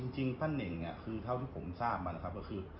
จริงปั้นเน่งคือเท่าที่ผมทราบมาก็คือ